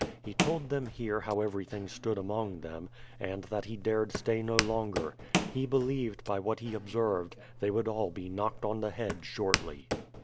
He told them here how everything stood among them, and that he dared stay no longer. He believed, by what he observed, they would all be knocked on the head shortly.